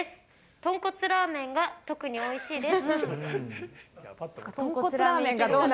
とんこつラーメンが特においしいです。